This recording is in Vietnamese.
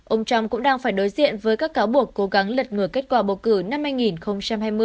ông trump cũng đang phải đối diện với các cáo buộc cố gắng lật ngừa kết quả bầu cử năm hai nghìn hai mươi